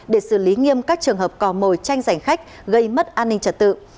để xử lý nghiêm các trường hợp cò mồi tranh giành khách gây mất an ninh trật tự